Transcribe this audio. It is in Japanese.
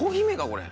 これ。